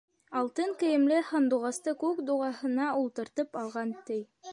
Алтын кейемле һандуғасты күк дуғаһына ултыртып алған, ти.